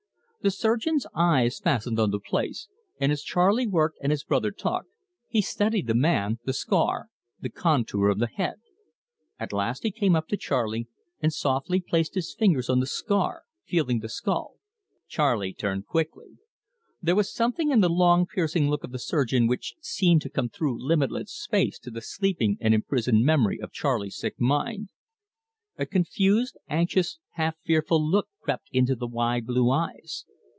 The surgeon's eyes fastened on the place, and as Charley worked and his brother talked, he studied the man, the scar, the contour of the head. At last he came up to Charley and softly placed his fingers on the scar, feeling the skull. Charley turned quickly. There was something in the long, piercing look of the surgeon which seemed to come through limitless space to the sleeping and imprisoned memory of Charley's sick mind. A confused, anxious, half fearful look crept into the wide blue eyes.